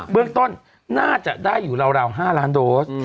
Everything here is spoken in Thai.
เรื่องต้นน่าจะได้อยู่ราว๕ล้านโดส